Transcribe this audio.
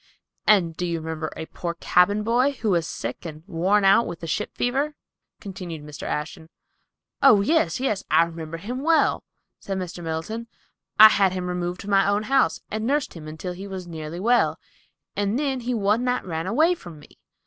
"And do you remember a poor cabin boy, who was sick and worn out with the ship fever?" continued Mr. Ashton. "Oh, yes, yes; I remember him well," said Mr. Middleton. "I had him removed to my own house, and nursed him until he was nearly well; and then, he one night ran away from me.